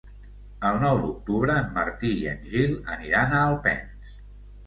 El nou d'octubre en Martí i en Gil aniran a Alpens.